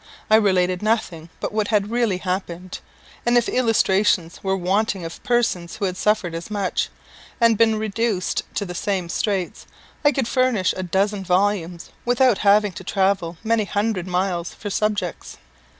I related nothing but what had really happened; and if illustrations were wanting of persons who had suffered as much, and been reduced to the same straits, I could furnish a dozen volumes without having to travel many hundred miles for subjects.